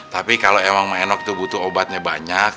tapi kalau emang mak enok tuh butuh obatnya banyak